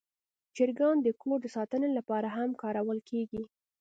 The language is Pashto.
چرګان د کور د ساتنې لپاره هم کارول کېږي.